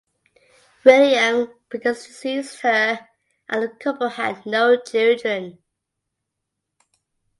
William predeceased her and the couple had no children.